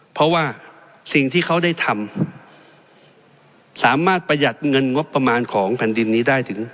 เพราะว่าสิ่งที่เขาได้ทำสามารถประหยัดเงินงบประมาณของแผ่นดินนี้ได้ถึง